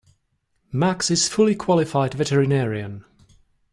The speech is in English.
Max is a fully qualified veterinarian.